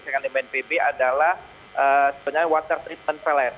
yang diperlukan oleh bnpb adalah sebenarnya water treatment pellet